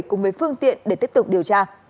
cùng với phương tiện để tiếp tục điều tra